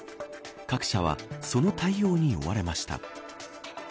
各社はその対応に追われました。